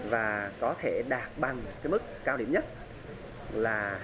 và có thể đạt bằng cái mức cao điểm nhất là hai nghìn một mươi chín